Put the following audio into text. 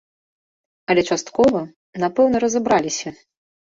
Але часткова, напэўна, разабраліся.